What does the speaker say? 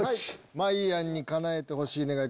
まいやんに叶えてほしい願い